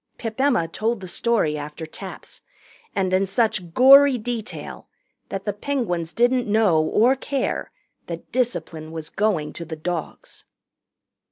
Pip Emma told the story after taps and in such gory detail that the Penguins didn't know or care that discipline was going to the dogs.